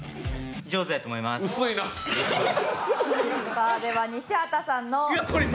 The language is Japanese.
さあでは西畑さんの。